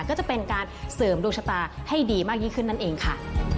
ก็จะเป็นการเสริมดวงชะตาให้ดีมากยิ่งขึ้นนั่นเองค่ะ